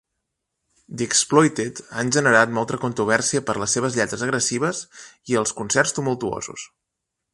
The Exploited han generat molta controvèrsia per les seves lletres agressives i els concerts tumultuosos.